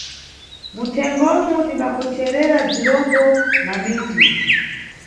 Muthengomu timbakhocherera bzirombo na miti.